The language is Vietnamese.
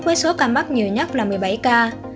với số ca mắc nhiều nhất là một mươi bảy ca